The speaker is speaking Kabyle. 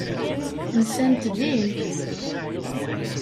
Nsant din.